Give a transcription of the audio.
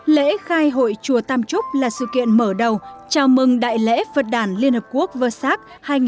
lễ khai hội chùa tam trúc là sự kiện mở đầu chào mừng đại lễ phật đàn liên hợp quốc vơ sát hai nghìn một mươi chín